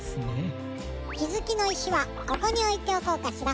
きづきのいしはここにおいておこうかしら。